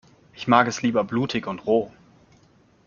Ich mag es lieber blutig und roh.